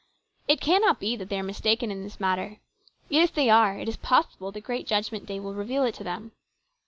It cannot be that they are mistaken in this matter. Yet, if they are, it is possible the great judgment day will reveal it to them.